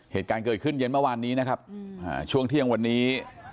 เหตุการณ์เกิดขึ้นเย็นเมื่อวานนี้นะครับช่วงเที่ยงวันนี้